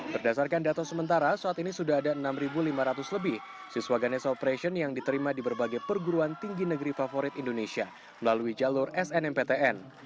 berdasarkan data sementara saat ini sudah ada enam lima ratus lebih siswa ganesha operation yang diterima di berbagai perguruan tinggi negeri favorit indonesia melalui jalur snmptn